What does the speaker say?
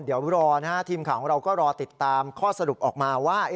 เดี๋ยวรอนะฮะทีมข่าวของเราก็รอติดตามข้อสรุปออกมาว่า